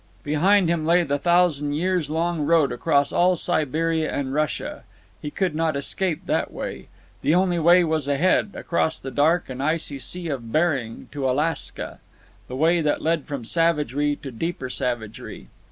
Behind him lay the thousand years long road across all Siberia and Russia. He could not escape that way. The only way was ahead, across the dark and icy sea of Bering to Alaska. The way had led from savagery to deeper savagery.